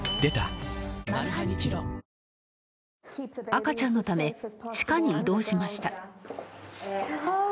赤ちゃんのため地下に移動しました。